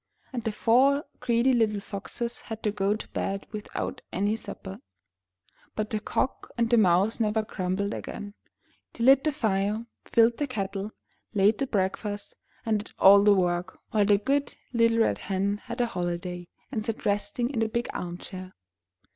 And the four greedy little foxes had to go to bed without any supper. But the Cock and the Mouse never grumbled again. They lit the fire, filled the kettle, laid the breakfast, and did all the work, while the good little Red Hen had a holiday, and sat resting in the big arm chair.